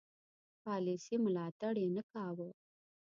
پالیسي ملاتړ یې نه کاوه.